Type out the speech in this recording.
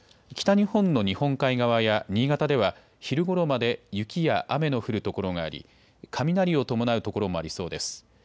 北日本の日本海側や新潟では昼ごろまで雪や雨の降る所があり雷を伴う所もありそうです。